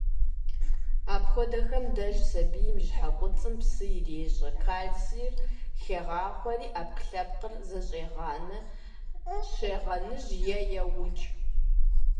Апхуэдэхэм деж сабийм и щхьэкуцӏым псы ирещӏэ, кальцийр хегъахъуэри, ӏэпкълъэпкъыр зэщӏегъанэ, щегъэныж е еукӏ.